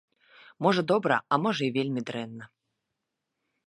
Можа добра, а можа і вельмі дрэнна.